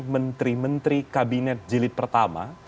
menteri menteri kabinet jilid pertama